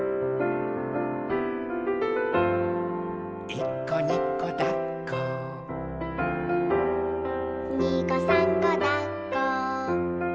「いっこにこだっこ」「にこさんこだっこ」